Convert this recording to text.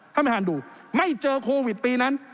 ท่านประธานดูไม่เจอโควิดปีนั้น